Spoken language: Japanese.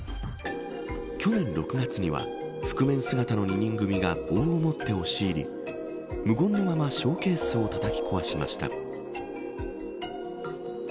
去年６月には、覆面姿の２人組が棒を持って押し入り、無言のままショーケースをたたき壊しました。